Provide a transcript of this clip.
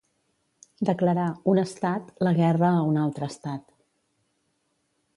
Declarar, un estat, la guerra a un altre estat.